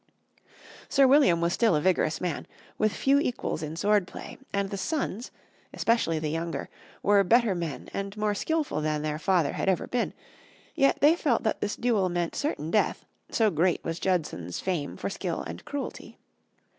Sir William was still a vigorous man, with few equals in sword play, and the sons, especially the younger, were better men and more skilful than their father had ever been, yet they felt that this duel meant certain death, so great was Judson's fame for skill and cruelty.